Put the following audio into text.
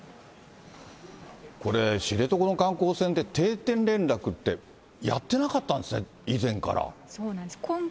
これ、知床の観光船って、定点連絡って、やってなかったんですね、以前かそうなんです。